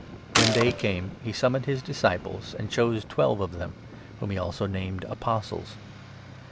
When day came, he summoned his disciples, and 13 chose twelve of them, whom he also named ' Apostles.'